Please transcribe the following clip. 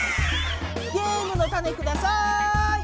ゲームのタネください！